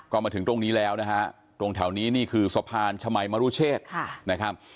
ก็มาถึงตรงนี้แล้วนะฮะตรงแถวนี้นี่คือสะพานชมัยมรุเชษนะครับ